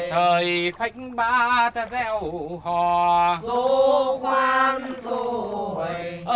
thời phách ba ta gieo hò dô khoan dô hầy